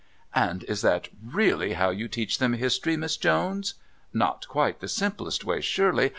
"And is that really how you teach them history, Miss Jones? Not quite the simplest way, surely...